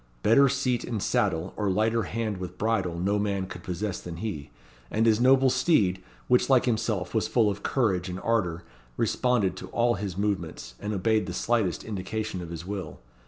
Better seat in saddle, or lighter hand with bridle, no man could possess than he; and his noble steed, which like himself was full of courage and ardour, responded to all his movements, and obeyed the slightest indication of his will.